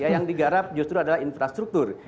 yang digarap justru adalah infrastruktur